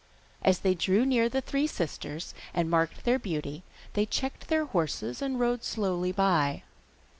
As they drew near the three sisters, and marked their beauty, they checked their horses and rode slowly by.